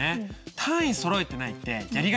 単位そろえてないってやりがちじゃない？